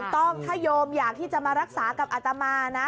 ถ้ายงอยากที่จะมารักษากับอัตมา